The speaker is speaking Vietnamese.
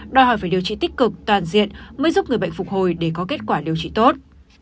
đòi hỏi phải điều trị tích cực toàn diện mới giúp người bệnh phục hồi để có kết quả điều trị tốt